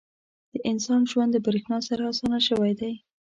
• د انسان ژوند د برېښنا سره اسانه شوی دی.